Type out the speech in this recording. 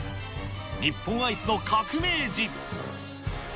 日本アイスの革命児。